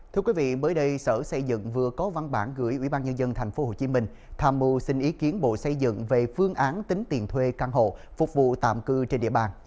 thưa quý vị mới đây sở xây dựng vừa có văn bản gửi ủy ban nhân dân tp hcm tham mưu xin ý kiến bộ xây dựng về phương án tính tiền thuê căn hộ phục vụ tạm cư trên địa bàn